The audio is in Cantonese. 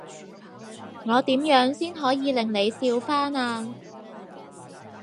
我點樣先可以令你笑返呀？